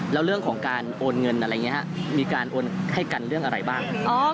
แล้วเรื่องของการโอนเงินอะไรอย่างนี้มีการโอนให้กันเรื่องอะไรบ้าง